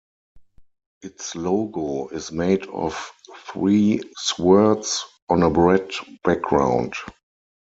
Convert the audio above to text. Its logo is made of three swords on a red background.